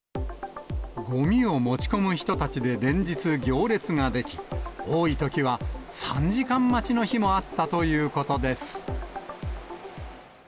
ごみを持ち込む人たちで連日、行列が出来、多いときは３時間待ちの日もあったということです。